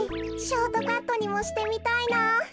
ショートカットにもしてみたいな。